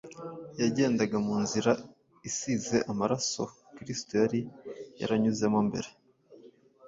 Yagendaga mu nzira isize amaraso Kristo yari yaranyuzemo mbere.